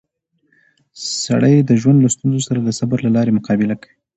سړی د ژوند له ستونزو سره د صبر له لارې مقابله کوي